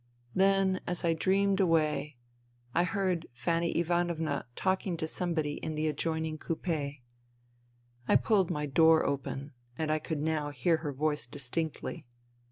Then, as I dreamed away, I heard Fanny Ivanovna talking to somebody in the adjoin ing coupe. I pulled my door open and I could now hear her voice distinctly.